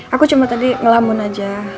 aku cuma tadi ngelamun aja